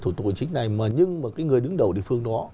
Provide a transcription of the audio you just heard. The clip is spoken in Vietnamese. thủ tướng chính này nhưng mà người đứng đầu địa phương đó